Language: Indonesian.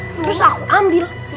terus aku ambil